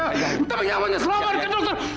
tapi nyamanya selamatkan dokter